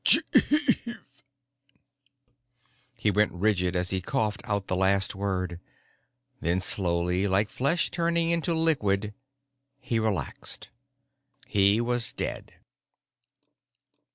Chief!" He went rigid as he coughed out the last word. Then slowly, like flesh turning into liquid, he relaxed. He was dead.